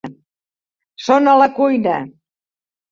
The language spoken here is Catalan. Són a la cuina.